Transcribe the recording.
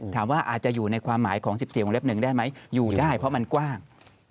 ถามว่าอาจจะอยู่ในความหมายของ๑๔วงเล็บ๑ได้ไหมอยู่ได้เพราะมันกว้าง